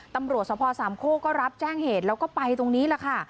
ตำรวจสภสามโคกก็รับแจ้งเหตุแล้วก็ไปตรงนี้แหละค่ะ